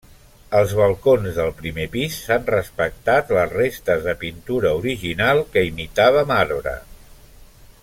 Als balcons del primer pis, s'han respectat les restes de pintura original que imitava marbre.